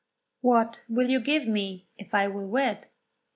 What will you give me, if I will wed?